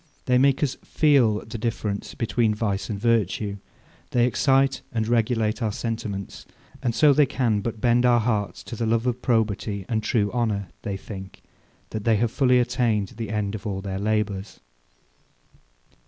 They make us feel the difference between vice and virtue; they excite and regulate our sentiments; and so they can but bend our hearts to the love of probity and true honour, they think, that they have fully attained the end of all their labours.